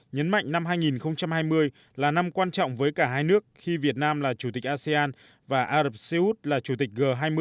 nhấn mạnh năm hai nghìn hai mươi là năm quan trọng với cả hai nước khi việt nam là chủ tịch asean và ả rập xê út là chủ tịch g hai mươi